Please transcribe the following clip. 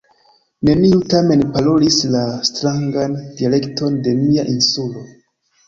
Neniu tamen parolis la strangan dialekton de mia Insulo.